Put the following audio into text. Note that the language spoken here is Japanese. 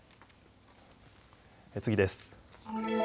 次です。